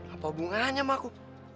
apa hubungannya sama aku